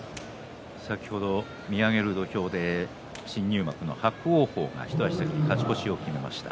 先ほど見上げる土俵で新入幕の伯桜鵬が勝ち越しを決めました。